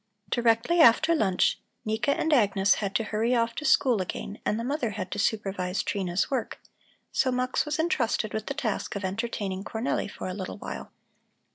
Directly after lunch Nika and Agnes had to hurry off to school again and the mother had to supervise Trina's work, so Mux was entrusted with the task of entertaining Cornelli for a little while.